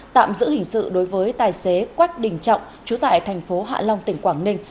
tạm giữ hình sự đối với tài xế quách đình trọng chú tại tp hạ long tỉnh quảng ninh